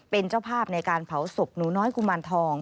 เป็นเจ้าภาพในการเผาศพหนูน้อยกุมารทอง